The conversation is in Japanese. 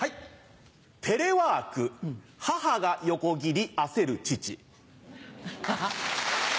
テレワーク母が横切り焦る父。